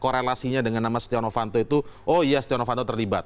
korelasinya dengan nama setia novanto itu oh iya setia novanto terlibat